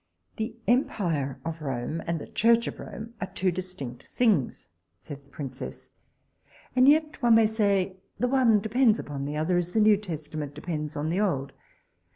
The empire of Rome, and the church of Rome, are two distinct things, said the princess; and yet, as one may say, the one depends upon the other, as the new testament does on the old.